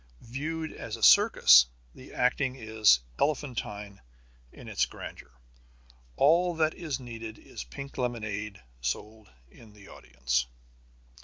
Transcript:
Viewed as a circus, the acting is elephantine in its grandeur. All that is needed is pink lemonade sold in the audience.